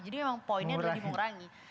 jadi memang poinnya jadi mengurangi